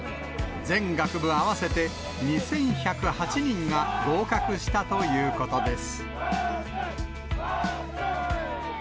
全学部合わせて２１０８人が合格したということです。